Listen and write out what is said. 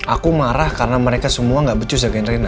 aku marah karena mereka semua gak becus ya genre